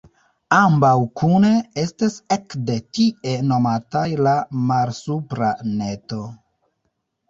Ambaŭ kune estas ekde tie nomataj la Malsupra Neto.